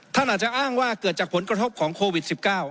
ท่านอาจจะอ้างว่าเกิดจากผลกระทบของโควิด๑๙